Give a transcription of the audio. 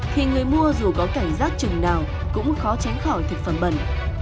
thì người mua dù có cảnh giác chừng nào cũng khó tránh khỏi thực phẩm bẩn